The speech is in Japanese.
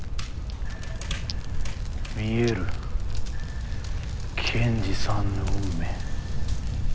見えるケンジさんの運命。